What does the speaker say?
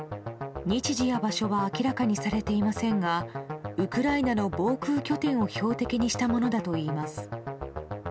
日時や場所は明らかにされていませんがウクライナの防空拠点を標的にしたものだといいます。